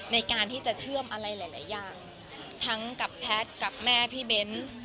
ในการที่จะเชื่อมอะไรหลายอย่างทั้งกับแพทย์กับแม่พี่เบ้น